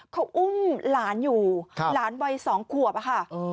เขาอุ้มหลานอยู่หลานวัย๒ขวบอะค่ะ